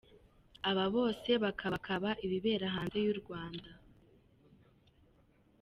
Aba bose bakaba bakaba bibera hanze y’u Rwanda.